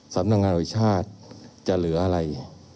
สำนักงานวิชาติจะเหลืออะไร